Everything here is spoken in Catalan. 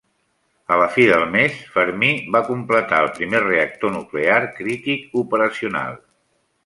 A la fi del mes, Fermi va completar el primer reactor nuclear crític operacional.